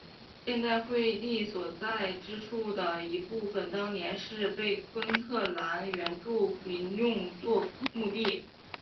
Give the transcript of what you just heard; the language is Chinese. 现时惠利所在之处的一部分当年是被昆特兰原住民用作墓地。